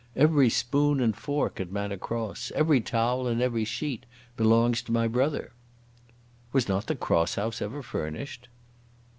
"Every spoon and fork at Manor Cross, every towel and every sheet belongs to my brother." "Was not the Cross House ever furnished?"